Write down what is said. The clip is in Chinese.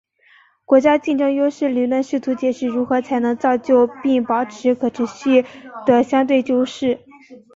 国家竞争优势理论试图解释如何才能造就并保持可持续的相对优势。